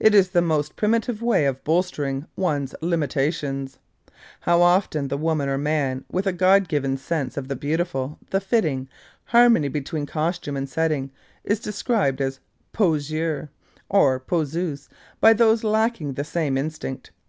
It is the most primitive way of bolstering one's limitations. How often the woman or man with a God given sense of the beautiful, the fitting, harmony between costume and setting, is described as poseur or poseuse by those who lack the same instinct.